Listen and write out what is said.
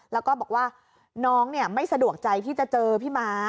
แล้วก็บอกว่าน้องไม่สะดวกใจที่จะเจอพี่ม้า